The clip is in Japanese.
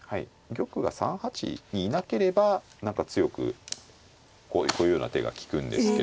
玉が３八にいなければ何か強くこういうような手が利くんですけど。